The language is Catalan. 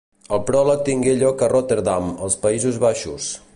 El pròleg tingué lloc a Rotterdam, als Països Baixos.